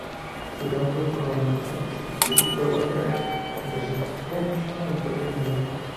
Su rango cronoestratigráfico abarca el Oligoceno inferior y medio.